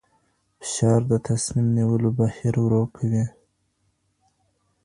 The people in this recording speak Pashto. فشار د تصمیم نیولو بهیر ورو کوي.